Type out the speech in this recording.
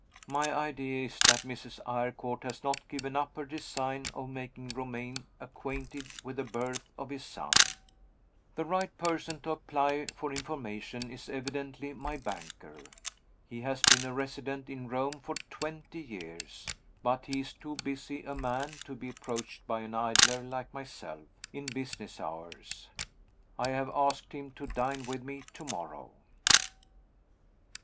My idea is that Mrs. Eyrecourt has not given up her design of making Romayne acquainted with the birth of his son. The right person to apply to for information is evidently my banker. He has been a resident in Rome for twenty years but he is too busy a man to be approached, by an idler like myself, in business hours. I have asked him to dine with me to morrow.